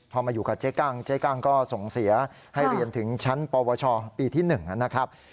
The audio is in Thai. พอมาอยู่กับเจ๊กั้งเจ๊กั้งก็ส่งเสียให้เรียนถึงชั้นปวชปีที่๑นะครับ